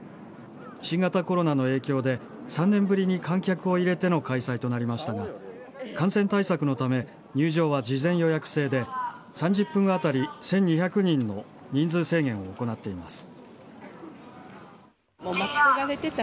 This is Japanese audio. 新型コロナの影響で３年ぶりに観客を入れての開催となりましたが感染対策のため入場は事前予約制で３０分あたり１２００人の人数制限を行っています。